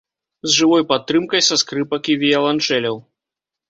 З жывой падтрымкай са скрыпак і віяланчэляў.